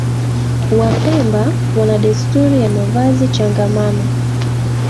Wapemba wana desturi ya mavazi changamano